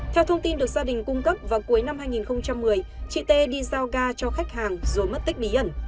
theo thông tin được gia đình cung cấp vào cuối năm hai nghìn một mươi chị t đi giao ga cho khách hàng rồi mất tích bí ẩn